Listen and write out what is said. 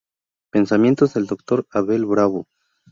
Pensamientos del Dr. Abel Bravo.